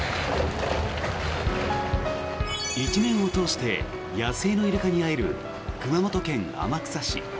１年を通して野生のイルカに会える熊本県天草市。